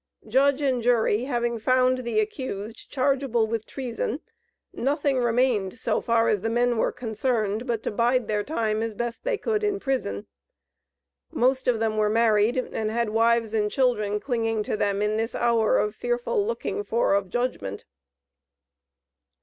Judge and jury having found the accused chargeable with Treason, nothing remained, so far as the men were concerned, but to bide their time as best they could in prison. Most of them were married, and had wives and children clinging to them in this hour of fearful looking for of judgment.